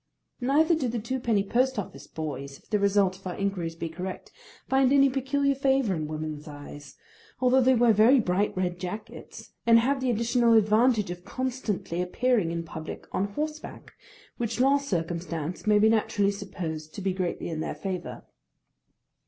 Neither do the twopenny post office boys, if the result of our inquiries be correct, find any peculiar favour in woman's eyes, although they wear very bright red jackets, and have the additional advantage of constantly appearing in public on horseback, which last circumstance may be naturally supposed to be greatly in their favour.